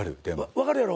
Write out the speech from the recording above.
分かるやろ。